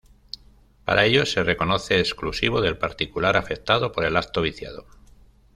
Para ello, se reconoce exclusivo del particular afectado por el acto viciado.